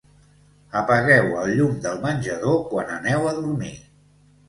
Apagueu el llum del menjador quan aneu a dormir.